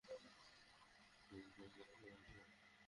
তুমি ওই জায়গাটি দেখেছো?